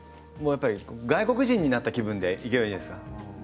やっぱり外国人になった気分でいけば、いいんじゃないですか。